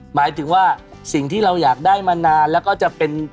หมายถึงว่าสิ่งที่เราอยากได้มานานแล้วก็จะเป็น